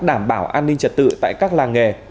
đảm bảo an ninh trật tự tại các làng nghề